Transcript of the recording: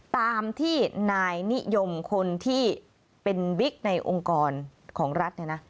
ตามที่นายนิยมคนที่เป็นบิ๊กในองค์กรของรัฐ